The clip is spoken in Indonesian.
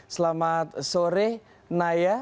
selamat sore naya